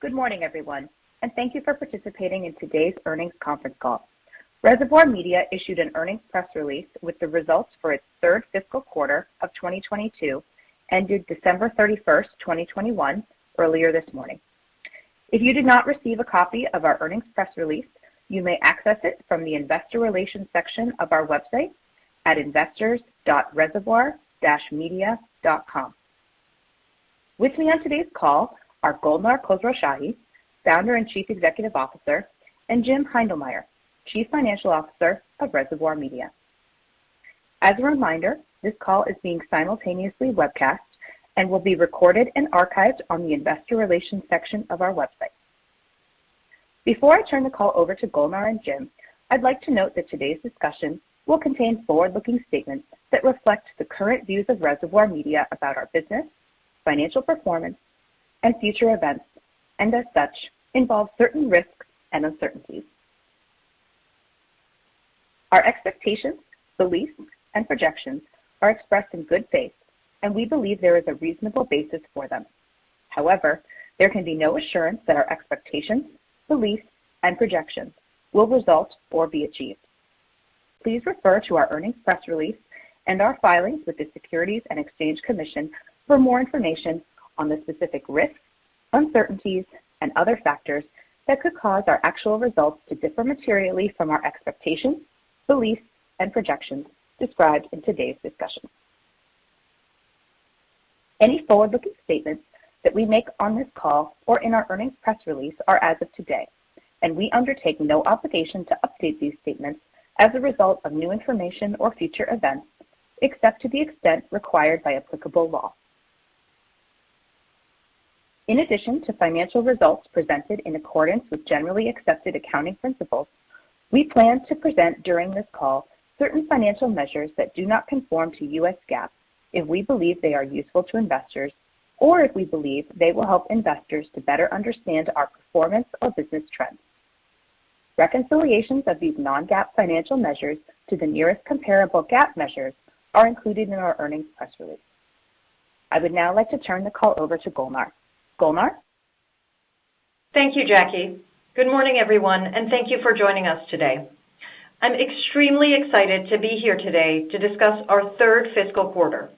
Good morning, everyone, and thank you for participating in today's earnings conference call. Reservoir Media issued an earnings press release with the results for its third fiscal quarter of 2022 ended December 31, 2021 earlier this morning. If you did not receive a copy of our earnings press release, you may access it from the Investor Relations section of our website at investors.reservoir-media.com. With me on today's call are Golnar Khosrowshahi, Founder and Chief Executive Officer, and Jim Heindlmeyer, Chief Financial Officer of Reservoir Media. As a reminder, this call is being simultaneously webcast and will be recorded and archived on the Investor Relations section of our website. Before I turn the call over to Golnar and Jim, I'd like to note that today's discussion will contain forward-looking statements that reflect the current views of Reservoir Media about our business, financial performance, and future events, and as such, involve certain risks and uncertainties. Our expectations, beliefs, and projections are expressed in good faith, and we believe there is a reasonable basis for them. However, there can be no assurance that our expectations, beliefs, and projections will result or be achieved. Please refer to our earnings press release and our filings with the Securities and Exchange Commission for more information on the specific risks, uncertainties, and other factors that could cause our actual results to differ materially from our expectations, beliefs, and projections described in today's discussion. Any forward-looking statements that we make on this call or in our earnings press release are as of today, and we undertake no obligation to update these statements as a result of new information or future events, except to the extent required by applicable law. In addition to financial results presented in accordance with generally accepted accounting principles, we plan to present during this call certain financial measures that do not conform to U.S. GAAP if we believe they are useful to investors or if we believe they will help investors to better understand our performance or business trends. Reconciliations of these non-GAAP financial measures to the nearest comparable GAAP measures are included in our earnings press release. I would now like to turn the call over to Golnar. Golnar? Thank you, Jackie. Good morning, everyone, and thank you for joining us today. I'm extremely excited to be here today to discuss our third fiscal quarter.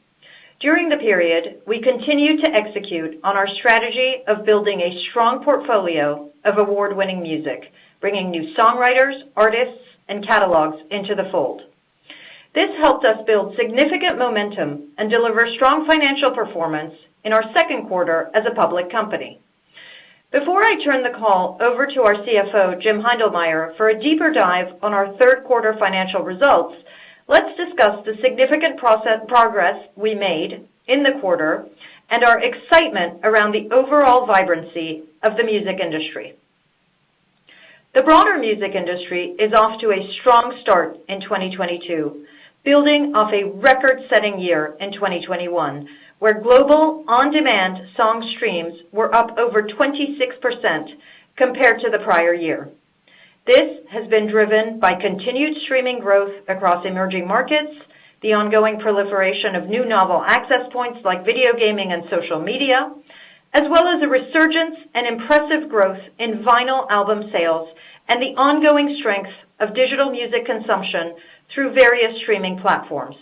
During the period, we continued to execute on our strategy of building a strong portfolio of award-winning music, bringing new songwriters, artists, and catalogs into the fold. This helped us build significant momentum and deliver strong financial performance in our second quarter as a public company. Before I turn the call over to our CFO, Jim Heindlmeyer, for a deeper dive on our third quarter financial results, let's discuss the significant progress we made in the quarter and our excitement around the overall vibrancy of the music industry. The broader music industry is off to a strong start in 2022, building off a record-setting year in 2021, where global on-demand song streams were up over 26% compared to the prior year. This has been driven by continued streaming growth across emerging markets, the ongoing proliferation of new novel access points like video gaming and social media, as well as a resurgence and impressive growth in vinyl album sales and the ongoing strength of digital music consumption through various streaming platforms.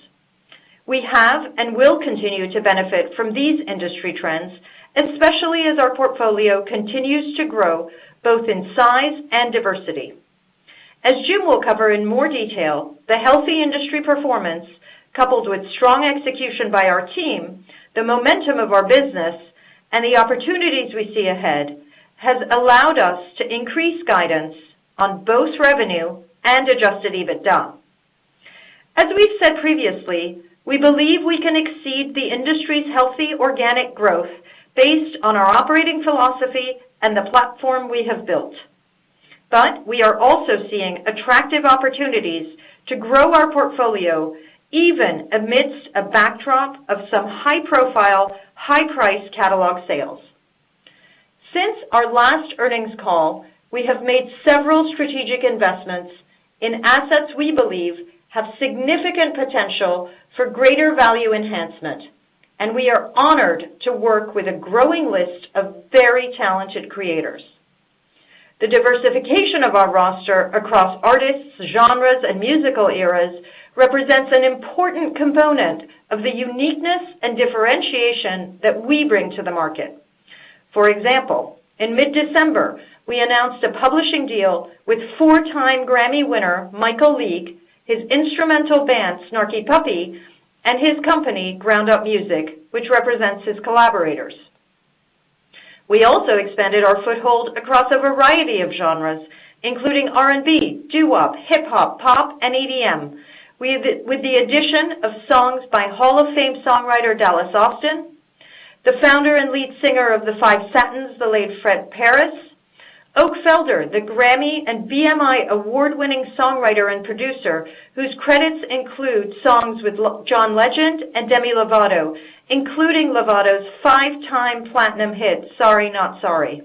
We have and will continue to benefit from these industry trends, especially as our portfolio continues to grow both in size and diversity. As Jim will cover in more detail, the healthy industry performance, coupled with strong execution by our team, the momentum of our business, and the opportunities we see ahead, has allowed us to increase guidance on both revenue and Adjusted EBITDA. As we've said previously, we believe we can exceed the industry's healthy organic growth based on our operating philosophy and the platform we have built. We are also seeing attractive opportunities to grow our portfolio even amidst a backdrop of some high-profile, high-priced catalog sales. Since our last earnings call, we have made several strategic investments in assets we believe have significant potential for greater value enhancement, and we are honored to work with a growing list of very talented creators. The diversification of our roster across artists, genres, and musical eras represents an important component of the uniqueness and differentiation that we bring to the market. For example, in mid-December, we announced a publishing deal with four-time Grammy winner Michael League, his instrumental band Snarky Puppy, and his company, GroundUP Music, which represents his collaborators. We also expanded our foothold across a variety of genres, including R&B, doo-wop, hip-hop, pop, and EDM. With the addition of songs by Hall of Fame songwriter Dallas Austin, the founder and lead singer of The Five Satins, the late Fred Parris, Oak Felder, the Grammy and BMI award-winning songwriter and producer, whose credits include songs with John Legend and Demi Lovato, including Lovato's five-time platinum hit Sorry Not Sorry,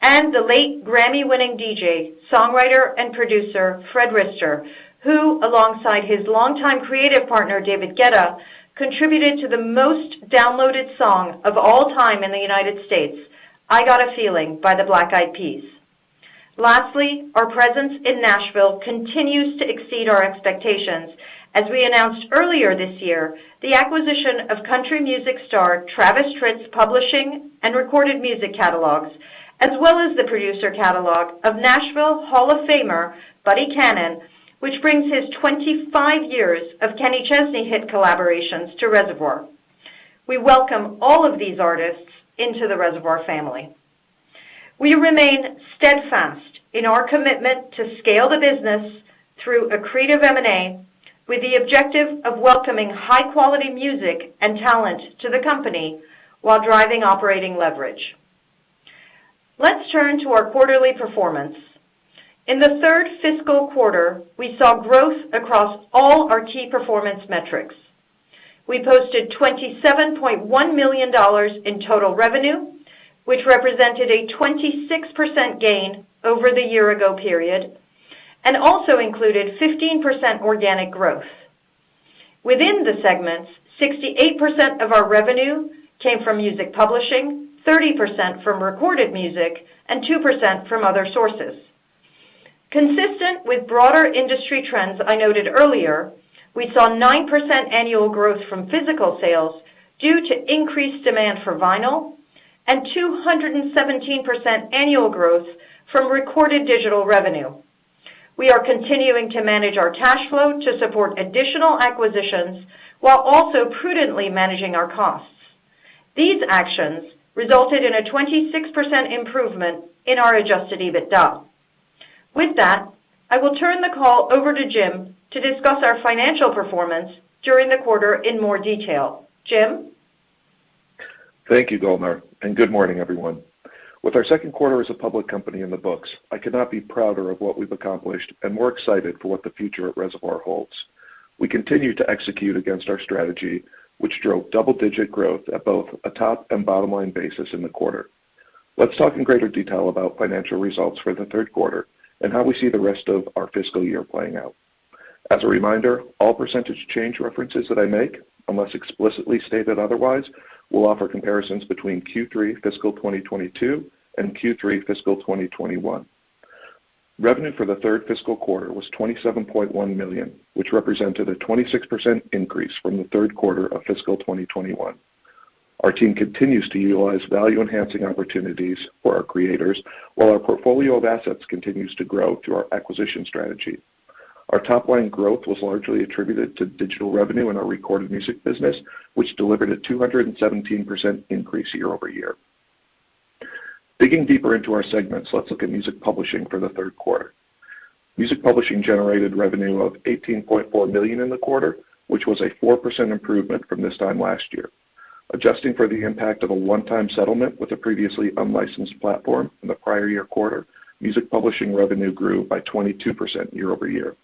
and the late Grammy-winning DJ, songwriter, and producer Fred Rister, who alongside his longtime creative partner, David Guetta, contributed to the most downloaded song of all time in the United States, I Gotta Feeling by the Black Eyed Peas. Lastly, our presence in Nashville continues to exceed our expectations. As we announced earlier this year, the acquisition of country music star Travis Tritt's publishing and recorded music catalogs, as well as the producer catalog of Nashville Hall of Famer Buddy Cannon, which brings his 25 years of Kenny Chesney hit collaborations to Reservoir. We welcome all of these artists into the Reservoir family. We remain steadfast in our commitment to scale the business through accretive M&A with the objective of welcoming high-quality music and talent to the company while driving operating leverage. Let's turn to our quarterly performance. In the third fiscal quarter, we saw growth across all our key performance metrics. We posted $27.1 million in total revenue, which represented a 26% gain over the year ago period and also included 15% organic growth. Within the segments, 68% of our revenue came from music publishing, 30% from recorded music, and 2% from other sources. Consistent with broader industry trends I noted earlier, we saw 9% annual growth from physical sales due to increased demand for vinyl and 217% annual growth from recorded digital revenue. We are continuing to manage our cash flow to support additional acquisitions while also prudently managing our costs. These actions resulted in a 26% improvement in our Adjusted EBITDA. With that, I will turn the call over to Jim to discuss our financial performance during the quarter in more detail. Jim? Thank you, Golnar, and good morning, everyone. With our second quarter as a public company in the books, I could not be prouder of what we've accomplished and more excited for what the future at Reservoir holds. We continue to execute against our strategy, which drove double-digit growth at both a top and bottom-line basis in the quarter. Let's talk in greater detail about financial results for the third quarter and how we see the rest of our fiscal year playing out. As a reminder, all percentage change references that I make, unless explicitly stated otherwise, will offer comparisons between Q3 fiscal 2022 and Q3 fiscal 2021. Revenue for the third fiscal quarter was $27.1 million, which represented a 26% increase from the third quarter of fiscal 2021. Our team continues to utilize value-enhancing opportunities for our creators while our portfolio of assets continues to grow through our acquisition strategy. Our top-line growth was largely attributed to digital revenue in our recorded music business, which delivered a 217% increase year-over-year. Digging deeper into our segments, let's look at music publishing for the third quarter. Music publishing generated revenue of $18.4 million in the quarter, which was a 4% improvement from this time last year. Adjusting for the impact of a one-time settlement with a previously unlicensed platform in the prior year quarter, music publishing revenue grew by 22% year-over-year.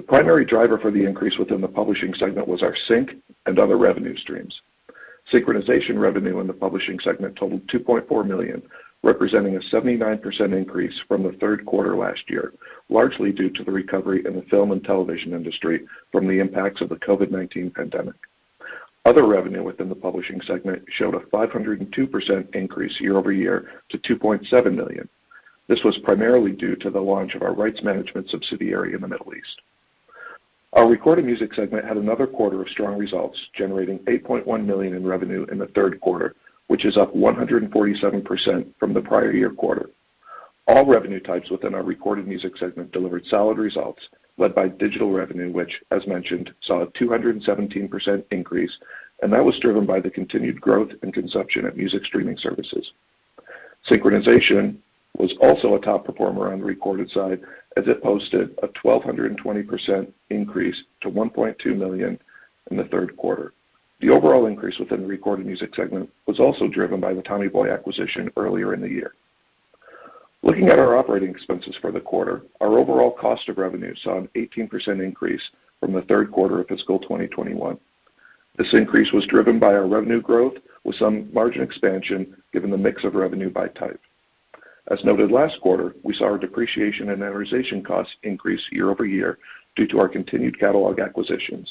The primary driver for the increase within the publishing segment was our sync and other revenue streams. Synchronization revenue in the Publishing segment totaled $2.4 million, representing a 79% increase from the third quarter last year, largely due to the recovery in the film and television industry from the impacts of the COVID-19 pandemic. Other revenue within the Publishing segment showed a 502% increase year-over-year to $2.7 million. This was primarily due to the launch of our rights management subsidiary in the Middle East. Our Recorded Music segment had another quarter of strong results, generating $8.1 million in revenue in the third quarter, which is up 147% from the prior year quarter. All revenue types within our Recorded Music segment delivered solid results led by digital revenue, which, as mentioned, saw a 217% increase, and that was driven by the continued growth and consumption of music streaming services. Synchronization was also a top performer on the recorded side, as it posted a 1,220% increase to $1.2 million in the third quarter. The overall increase within the Recorded Music segment was also driven by the Tommy Boy acquisition earlier in the year. Looking at our operating expenses for the quarter, our overall cost of revenue saw an 18% increase from the third quarter of fiscal 2021. This increase was driven by our revenue growth with some margin expansion given the mix of revenue by type. As noted last quarter, we saw our depreciation and amortization costs increase year-over-year due to our continued catalog acquisitions.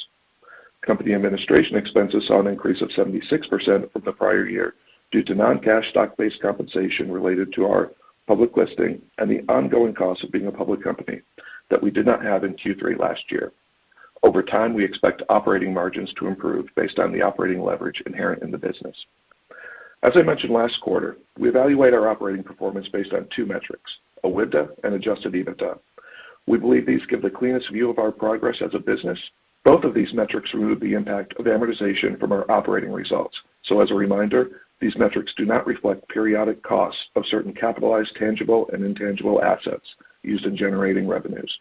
Company administration expenses saw an increase of 76% from the prior year due to non-cash stock-based compensation related to our public listing and the ongoing costs of being a public company that we did not have in Q3 last year. Over time, we expect operating margins to improve based on the operating leverage inherent in the business. As I mentioned last quarter, we evaluate our operating performance based on two metrics, OIBDA and Adjusted EBITDA. We believe these give the cleanest view of our progress as a business. Both of these metrics remove the impact of amortization from our operating results. As a reminder, these metrics do not reflect periodic costs of certain capitalized tangible and intangible assets used in generating revenues.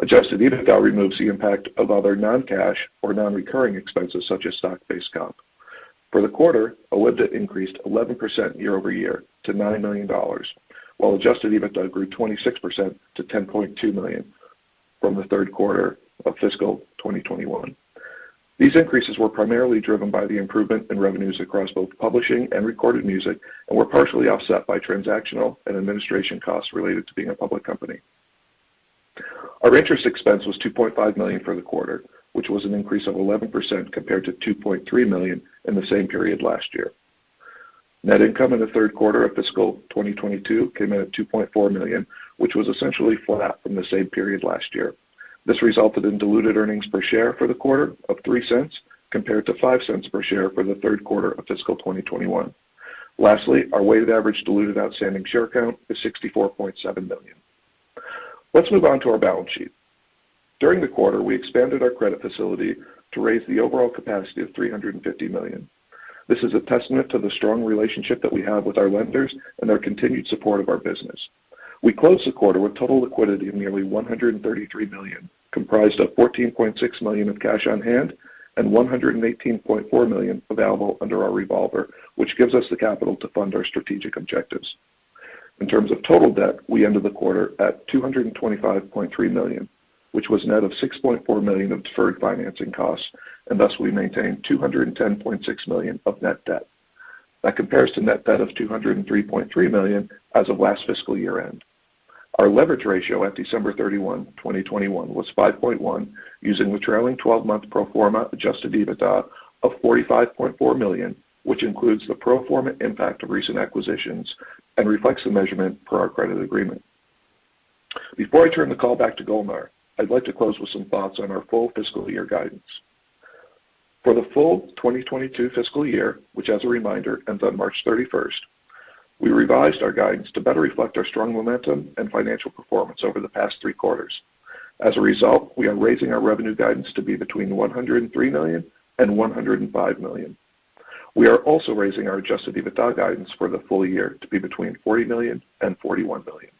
Adjusted EBITDA removes the impact of other non-cash or non-recurring expenses such as stock-based comp. For the quarter, OIBDA increased 11% year-over-year to $9 million, while Adjusted EBITDA grew 26% to $10.2 million from the third quarter of fiscal 2021. These increases were primarily driven by the improvement in revenues across both publishing and recorded music and were partially offset by transactional and administration costs related to being a public company. Our interest expense was $2.5 million for the quarter, which was an increase of 11% compared to $2.3 million in the same period last year. Net income in the third quarter of fiscal 2022 came in at $2.4 million, which was essentially flat from the same period last year. This resulted in diluted earnings per share for the quarter of $0.03 compared to $0.05 per share for the third quarter of fiscal 2021. Lastly, our weighted average diluted outstanding share count is 64.7 million. Let's move on to our balance sheet. During the quarter, we expanded our credit facility to raise the overall capacity of $350 million. This is a testament to the strong relationship that we have with our lenders and their continued support of our business. We closed the quarter with total liquidity of nearly $133 million, comprised of $14.6 million of cash on hand and $118.4 million available under our revolver, which gives us the capital to fund our strategic objectives. In terms of total debt, we ended the quarter at $225.3 million, which was net of $6.4 million of deferred financing costs, and thus we maintained $210.6 million of net debt. That compares to net debt of $203.3 million as of last fiscal year-end. Our leverage ratio at December 31, 2021 was 5.1, using the trailing twelve-month pro forma Adjusted EBITDA of $45.4 million, which includes the pro forma impact of recent acquisitions and reflects the measurement per our credit agreement. Before I turn the call back to Golnar, I'd like to close with some thoughts on our full fiscal year guidance. For the full 2022 fiscal year, which as a reminder, ends on March 31st, we revised our guidance to better reflect our strong momentum and financial performance over the past 3 quarters. As a result, we are raising our revenue guidance to be between $103 million and $105 million. We are also raising our Adjusted EBITDA guidance for the full year to be between $40 million and $41 million.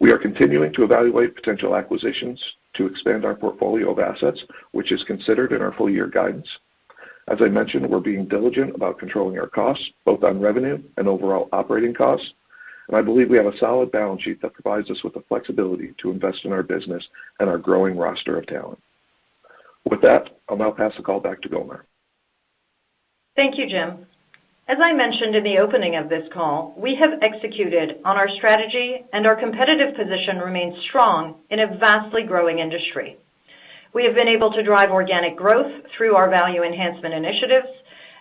We are continuing to evaluate potential acquisitions to expand our portfolio of assets, which is considered in our full year guidance. As I mentioned, we're being diligent about controlling our costs, both on revenue and overall operating costs. I believe we have a solid balance sheet that provides us with the flexibility to invest in our business and our growing roster of talent. With that, I'll now pass the call back to Golnar. Thank you, Jim. As I mentioned in the opening of this call, we have executed on our strategy and our competitive position remains strong in a vastly growing industry. We have been able to drive organic growth through our value enhancement initiatives,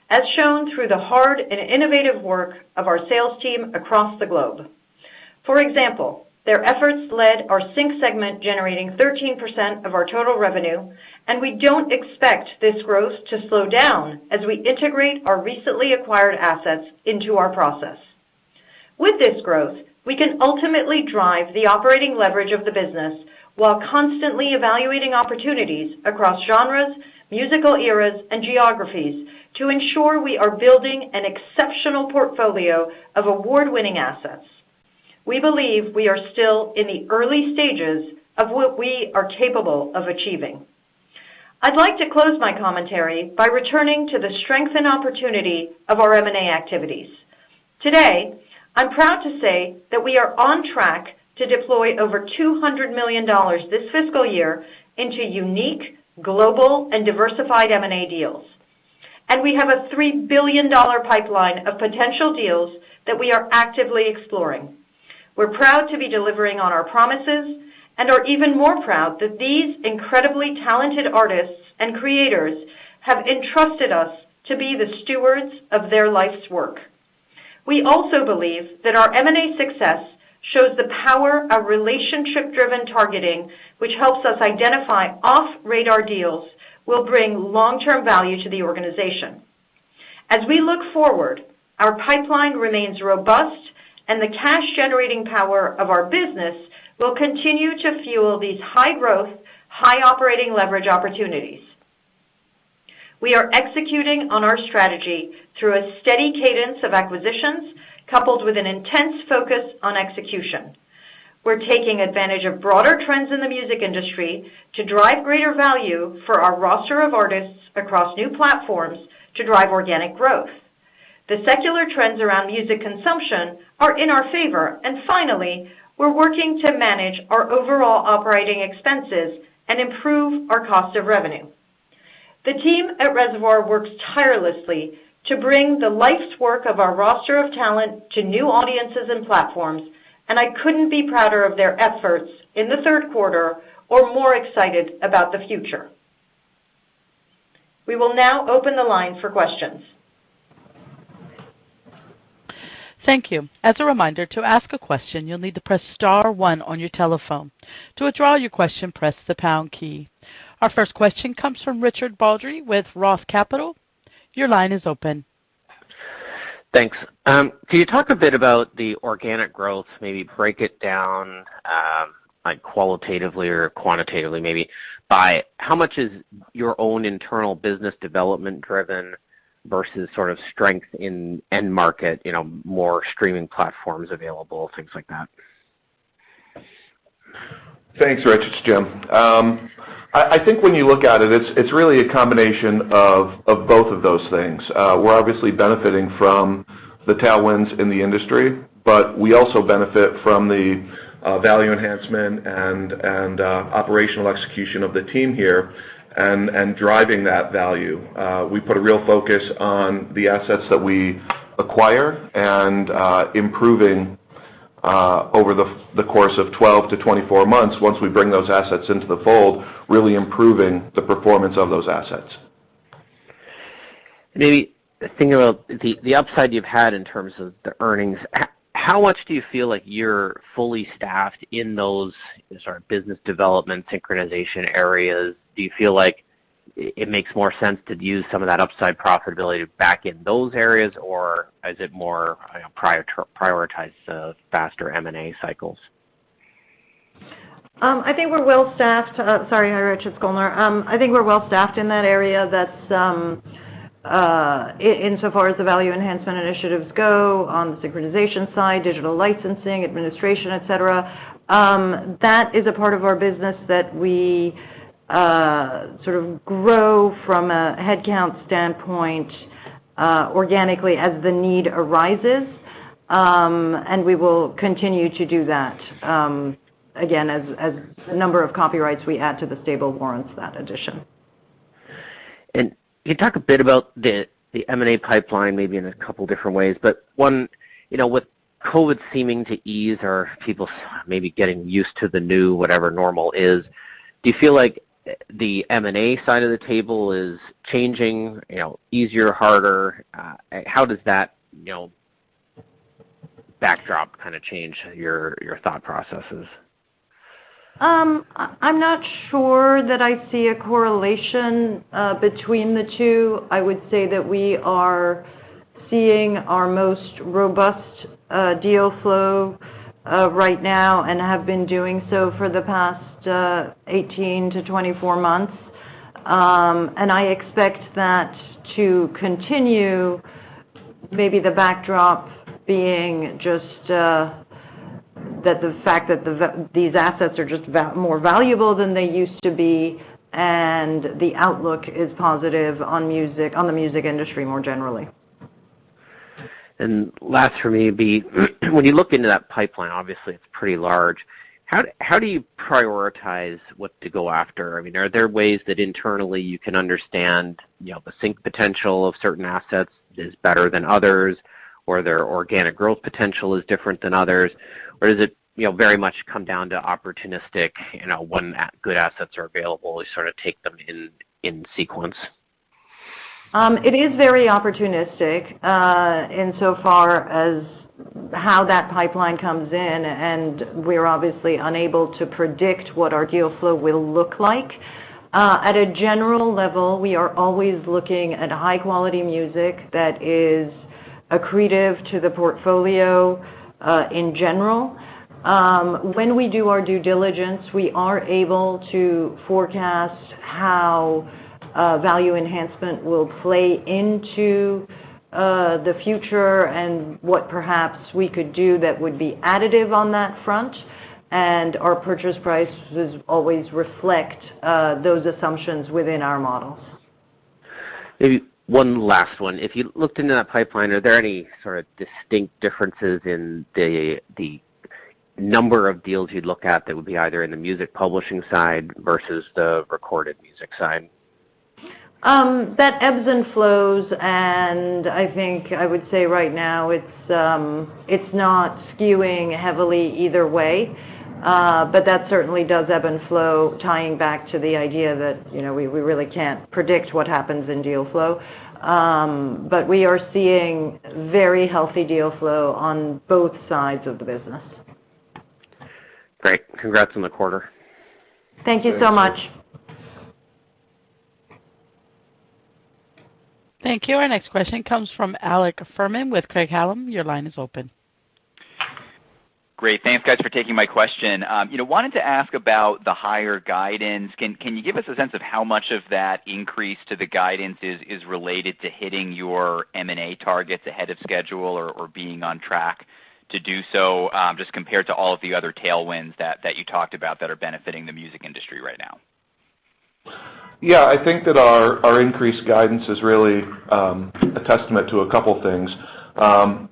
as shown through the hard and innovative work of our sales team across the globe. For example, their efforts led to our sync segment generating 13% of our total revenue, and we don't expect this growth to slow down as we integrate our recently acquired assets into our process. With this growth, we can ultimately drive the operating leverage of the business while constantly evaluating opportunities across genres, musical eras, and geographies to ensure we are building an exceptional portfolio of award-winning assets. We believe we are still in the early stages of what we are capable of achieving. I'd like to close my commentary by returning to the strength and opportunity of our M&A activities. Today, I'm proud to say that we are on track to deploy over $200 million this fiscal year into unique, global, and diversified M&A deals. We have a $3 billion pipeline of potential deals that we are actively exploring. We're proud to be delivering on our promises and are even more proud that these incredibly talented artists and creators have entrusted us to be the stewards of their life's work. We also believe that our M&A success shows the power of relationship-driven targeting, which helps us identify off-radar deals will bring long-term value to the organization. As we look forward, our pipeline remains robust, and the cash-generating power of our business will continue to fuel these high-growth, high-operating leverage opportunities. We are executing on our strategy through a steady cadence of acquisitions coupled with an intense focus on execution. We're taking advantage of broader trends in the music industry to drive greater value for our roster of artists across new platforms to drive organic growth. The secular trends around music consumption are in our favor. Finally, we're working to manage our overall operating expenses and improve our cost of revenue. The team at Reservoir works tirelessly to bring the life's work of our roster of talent to new audiences and platforms, and I couldn't be prouder of their efforts in the third quarter or more excited about the future. We will now open the line for questions. Thank you. As a reminder, to ask a question, you'll need to press star one on your telephone. To withdraw your question, press the pound key. Our first question comes from Richard Baldry with ROTH Capital. Your line is open. Thanks. Can yo`u talk a bit about the organic growth, maybe break it down, like qualitatively or quantitatively, maybe by how much is your own internal business development-driven versus sort of strength in end market, you know, more streaming platforms available, things like that? Thanks, Richard. It's Jim. I think when you look at it's really a combination of both of those things. We're obviously benefiting from the tailwinds in the industry, but we also benefit from the value enhancement and operational execution of the team here and driving that value. We put a real focus on the assets that we acquire and improving over the course of 12-24 months once we bring those assets into the fold, really improving the performance of those assets. Maybe thinking about the upside you've had in terms of the earnings. How much do you feel like you're fully staffed in those sort of business development synchronization areas? Do you feel like it makes more sense to use some of that upside profitability back in those areas or is it more, you know, prioritize the faster M&A cycles? I think we're well staffed. Sorry, Richard, Golnar. I think we're well staffed in that area that, insofar as the value enhancement initiatives go on the synchronization side, digital licensing, administration, et cetera. That is a part of our business that we sort of grow from a headcount standpoint organically as the need arises. We will continue to do that, again, as the number of copyrights we add to the stable warrants that addition. Can you talk a bit about the M&A pipeline maybe in a couple different ways. One, you know, with COVID-19 seeming to ease or people maybe getting used to the new whatever normal is, do you feel like the M&A side of the table is changing, you know, easier, harder? How does that, you know, backdrop kinda change your thought processes? I'm not sure that I see a correlation between the two. I would say that we are seeing our most robust deal flow right now and have been doing so for the past 18-24 months. I expect that to continue, maybe the backdrop being just that the fact that these assets are just more valuable than they used to be, and the outlook is positive on the music industry more generally. Last for me would be, when you look into that pipeline, obviously it's pretty large. How do you prioritize what to go after? I mean, are there ways that internally you can understand, you know, the sync potential of certain assets is better than others, or their organic growth potential is different than others? Or does it, you know, very much come down to opportunistic, you know, when good assets are available, you sort of take them in sequence? It is very opportunistic, insofar as how that pipeline comes in, and we're obviously unable to predict what our deal flow will look like. At a general level, we are always looking at high-quality music that is accretive to the portfolio, in general. When we do our due diligence, we are able to forecast how value enhancement will play into the future and what perhaps we could do that would be additive on that front. Our purchase prices always reflect those assumptions within our models. Maybe one last one. If you looked into that pipeline, are there any sort of distinct differences in the number of deals you'd look at that would be either in the music publishing side versus the recorded music side? That ebbs and flows, and I think I would say right now it's not skewing heavily either way. That certainly does ebb and flow, tying back to the idea that, you know, we really can't predict what happens in deal flow. We are seeing very healthy deal flow on both sides of the business. Great. Congrats on the quarter. Thank you so much. Thank you. Our next question comes from Alex Fuhrman with Craig-Hallum. Your line is open. Great. Thanks, guys, for taking my question. You know, I wanted to ask about the higher guidance. Can you give us a sense of how much of that increase to the guidance is related to hitting your M&A targets ahead of schedule or being on track to do so, just compared to all of the other tailwinds that you talked about that are benefiting the music industry right now? Yeah. I think that our increased guidance is really a testament to a couple things.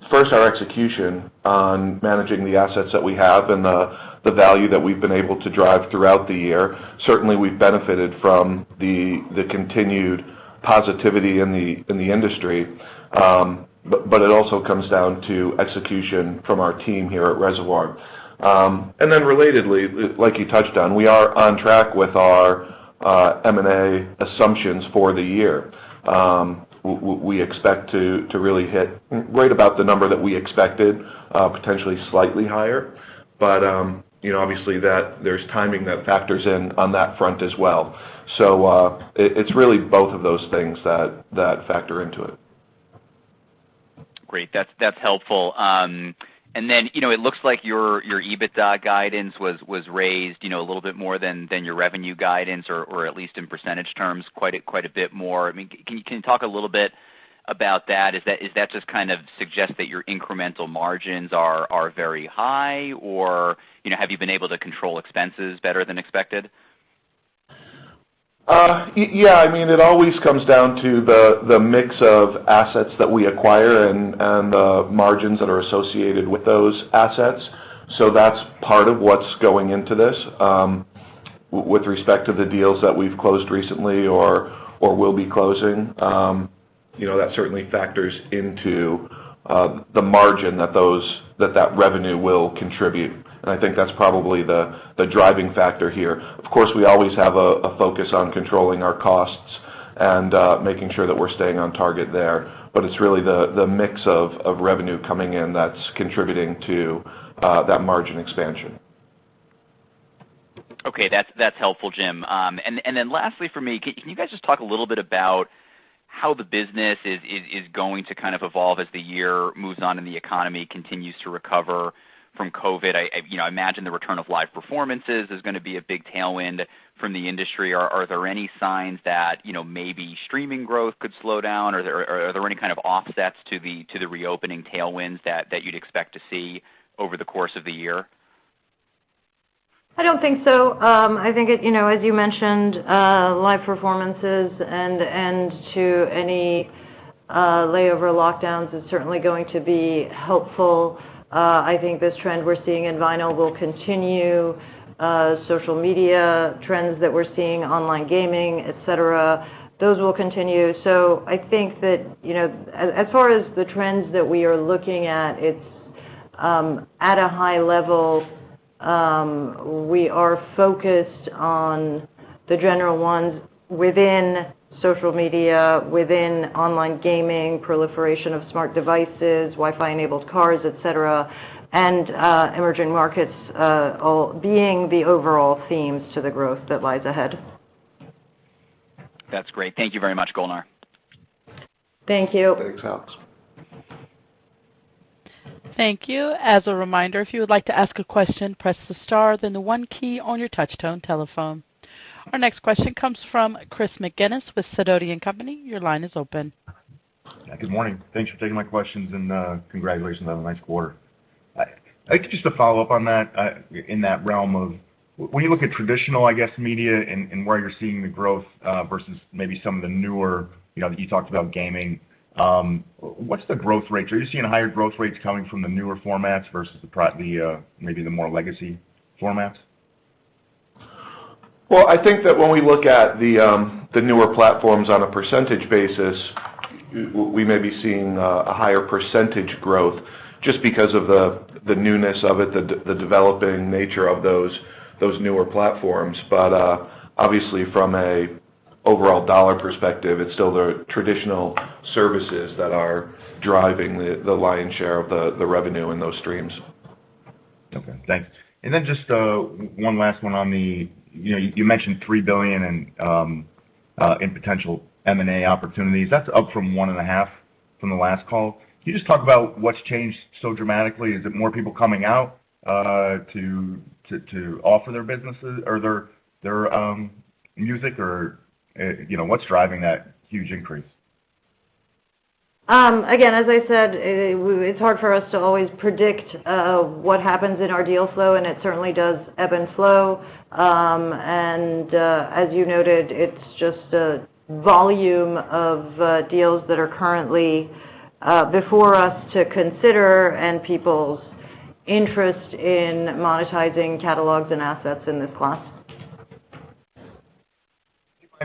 First, our execution on managing the assets that we have and the value that we've been able to drive throughout the year. Certainly, we've benefited from the continued positivity in the industry. It also comes down to execution from our team here at Reservoir. Then relatedly, like you touched on, we are on track with our M&A assumptions for the year. We expect to really hit right about the number that we expected, potentially slightly higher. You know, obviously there's timing that factors in on that front as well. It's really both of those things that factor into it. Great. That's helpful. And then, you know, it looks like your EBITDA guidance was raised, you know, a little bit more than your revenue guidance or at least in percentage terms quite a bit more. I mean, can you talk a little bit about that? Is that just kind of suggest that your incremental margins are very high, or, you know, have you been able to control expenses better than expected? Yeah. I mean, it always comes down to the mix of assets that we acquire and the margins that are associated with those assets. That's part of what's going into this with respect to the deals that we've closed recently or will be closing. You know, that certainly factors into the margin that that revenue will contribute. I think that's probably the driving factor here. Of course, we always have a focus on controlling our costs and making sure that we're staying on target there. It's really the mix of revenue coming in that's contributing to that margin expansion. Okay. That's helpful, Jim. Then lastly for me, can you guys just talk a little bit about how the business is going to kind of evolve as the year moves on and the economy continues to recover from COVID? You know, I imagine the return of live performances is gonna be a big tailwind from the industry. Are there any signs that, you know, maybe streaming growth could slow down? Are there any kind of offsets to the reopening tailwinds that you'd expect to see over the course of the year? I don't think so. I think it, you know, as you mentioned, live performances and to any layover lockdowns is certainly going to be helpful. I think this trend we're seeing in vinyl will continue. Social media trends that we're seeing, online gaming, et cetera, those will continue. I think that, you know, as far as the trends that we are looking at, it's at a high level, we are focused on the general ones within social media, within online gaming, proliferation of smart devices, Wi-Fi enabled cars, et cetera, and emerging markets all being the overall themes to the growth that lies ahead. That's great. Thank you very much, Golnar. Thank you. Thanks, Alex. Thank you. As a reminder, if you would like to ask a question, press the star, then the one key on your touchtone telephone. Our next question comes from Chris McGinnis with Sidoti & Company. Your line is open. Good morning. Thanks for taking my questions, and congratulations on a nice quarter. Just to follow up on that, in that realm of when you look at traditional, I guess, media and where you're seeing the growth, versus maybe some of the newer, you know, you talked about gaming, what's the growth rate? Are you seeing higher growth rates coming from the newer formats versus maybe the more legacy formats? Well, I think that when we look at the newer platforms on a percentage basis, we may be seeing a higher percentage growth just because of the newness of it, the developing nature of those newer platforms. Obviously from an overall dollar perspective, it's still the traditional services that are driving the lion's share of the revenue in those streams. Okay. Thanks. Just one last one on the, you know, you mentioned $3 billion in potential M&A opportunities. That's up from $1.5 billion from the last call. Can you just talk about what's changed so dramatically? Is it more people coming out to offer their businesses or their music or, you know, what's driving that huge increase? Again, as I said, it's hard for us to always predict what happens in our deal flow, and it certainly does ebb and flow. As you noted, it's just a volume of deals that are currently before us to consider and people's interest in monetizing catalogs and assets in this class.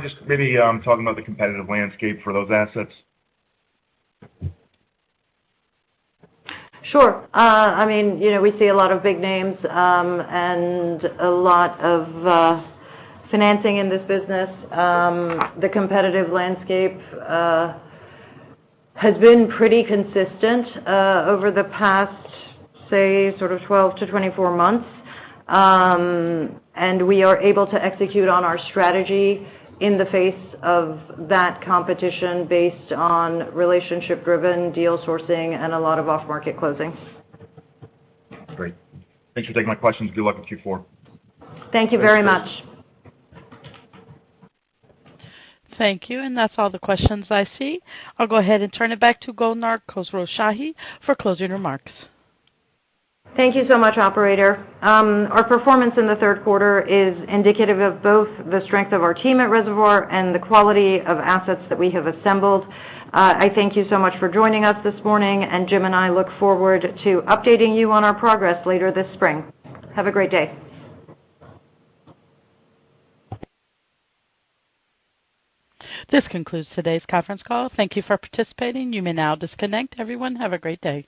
Just maybe, talking about the competitive landscape for those assets. Sure. I mean, you know, we see alot of big names, and a lot of financing in this business. The competitive landscape has been pretty consistent over the past, say, sort of 12-24 months. We are able to execute on our strategy in the face of that competition based on relationship-driven deal sourcing and a lot of off-market closings. Great. Thanks for taking my questions. Good luck in Q4. Thank you very much. Thanks, Chris. Thank you. That's all the questions I see. I'll go ahead and turn it back to Golnar Khosrowshahi for closing remarks. Thank you so much, operator. Our performance in the third quarter is indicative of both the strength of our team at Reservoir and the quality of assets that we have assembled. I thank you so much for joining us this morning, and Jim and I look forward to updating you on our progress later this spring. Have a great day. This concludes today's conference call. Thank you for participating. You may now disconnect. Everyone, have a great day.